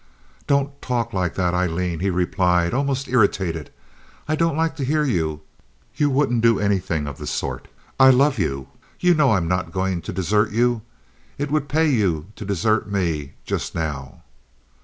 "Don't talk like that, Aileen," he replied, almost irritated. "I don't like to hear you. You wouldn't do anything of the sort. I love you. You know I'm not going to desert you. It would pay you to desert me just now."